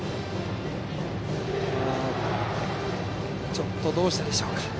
ちょっと、どうしたでしょうか。